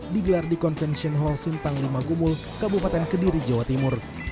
digelar di convention hall simpang lima gumul kabupaten kediri jawa timur